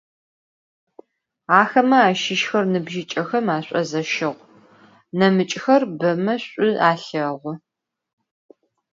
Axeme aşışxer nıbjıç'exem aş'ozeşığu, nemıç'xer beme ş'u alheğu.